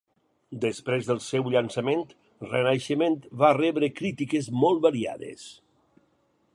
Després del seu llançament, "Renaixement" va rebre crítiques molt variades.